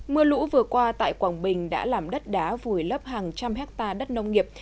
mưa lũ vừa qua tại quảng bình đã làm đất đá vùi lấp hàng trăm hectare đất nông nghiệp